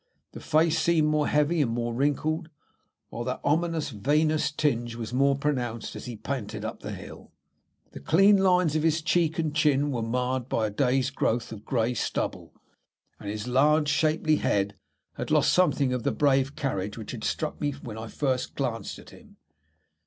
The face seemed more heavy and more wrinkled, while that ominous venous tinge was more pronounced as he panted up the hill. The clean lines of his cheek and chin were marred by a day's growth of grey stubble, and his large, shapely head had lost something of the brave carriage which had struck me when first I glanced at him.